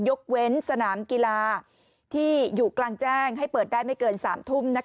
ยกเว้นสนามกีฬาที่อยู่กลางแจ้งให้เปิดได้ไม่เกิน๓ทุ่ม